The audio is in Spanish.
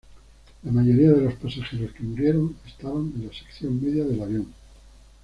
La mayoría de los pasajeros que murieron estaban en la sección media del avión.